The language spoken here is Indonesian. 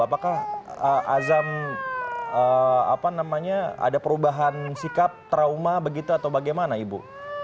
apakah azam apa namanya ada perubahan sikap trauma begitu atau bagaimana ibu